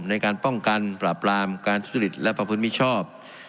ในการป้องกันปราบรามการทุจริตและประพฤติมิชชอบ